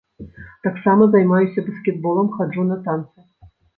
Таксама займаюся баскетболам, хаджу на танцы.